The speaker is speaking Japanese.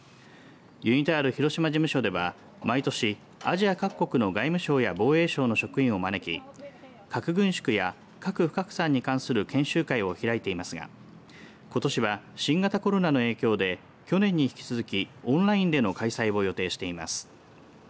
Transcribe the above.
ユニタール広島事務所では毎年、アジア各国の外務省や防衛省の職員を招き核軍縮や核不拡散に関する研修会を開いていますがことしは、新型コロナの影響で去年に引き続き、オンラインでの開催を予定しています。